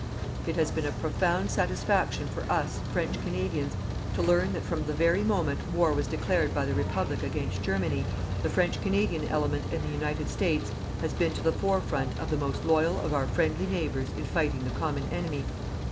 It has been a profound satisfaction for us, French Canadians, to learn that from the very moment war was declared by the Republic against Germany, the French Canadian element in the United States has been to the forefront of the most loyal of our friendly neighbours in fighting the common enemy.